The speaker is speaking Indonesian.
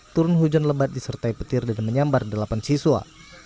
turun hujan lebat disertai petir dan menyambar delapan siswa